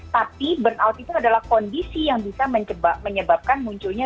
tapi burnout itu adalah kondisi yang bisa menyebabkan munculnya